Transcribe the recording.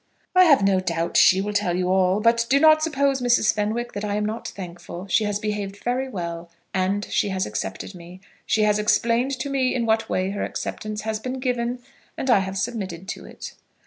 "I have no doubt she will tell you all. But do not suppose, Mrs. Fenwick, that I am not thankful. She has behaved very well, and she has accepted me. She has explained to me in what way her acceptance has been given, and I have submitted to it."